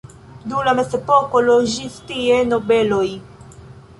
Dum la mezepoko loĝis tie nobeloj.